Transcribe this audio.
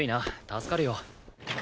助かるよ。